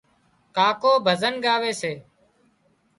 ڪاڪو ڀزن ڳاوي سي